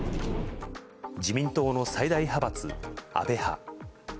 自民党の最大派閥、安倍派。